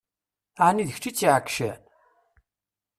Ɛni d kečč i tt-iɛeggcen?